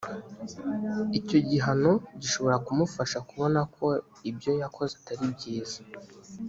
icyo gihano gishobora kumufasha kubona ko ibyo yakoze atari byiza